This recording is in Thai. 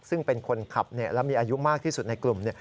ซึ่งเป็นคนขับและมีอายุมากที่สุดในกลุ่ม